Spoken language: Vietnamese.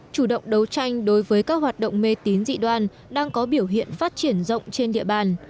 chủ động đấu tranh đối với các hoạt động mê tín dị đoan đang có biểu hiện phát triển rộng trên địa bàn